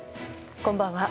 こんばんは。